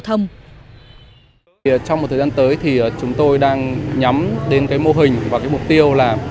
trong một thời gian tới thì chúng tôi đang nhắm đến cái mô hình và cái mục tiêu là